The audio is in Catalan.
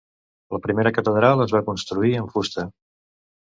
La primera catedral es va construir amb fusta.